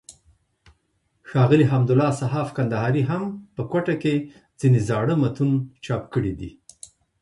ښاغلي حمدالله صحاف کندهاري هم په کوټه کښي ځينې زاړه متون چاپ کړي دي.